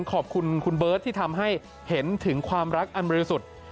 ขอบคุณคุณเบิร์ตที่ทำให้เห็นถึงความรักอันบริสุทธิ์